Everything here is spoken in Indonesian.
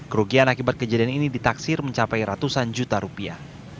kerugian akibat kejadian ini ditaksir mencapai ratusan juta rupiah